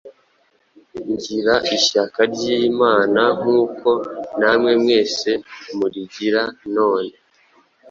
ngira ishyaka ry’Imana, nk’uko namwe mwese murigira none.”